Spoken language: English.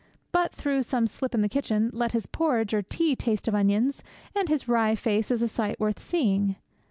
But, through some slip in the kitchen, let his porridge or his tea taste of onions, and his wry face is a sight worth seeing!